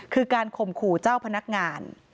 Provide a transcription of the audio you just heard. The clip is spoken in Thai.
คือการข่มขู่เจ้าพนักงาน